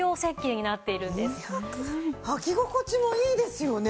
履き心地もいいですよね。